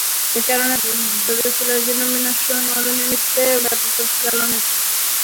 এ কারণে, "ড্রসোফিলা"র জিনোম বিন্যাস করার নিমিত্তে ব্যাপক প্রচেষ্টা চালানো হয়েছে।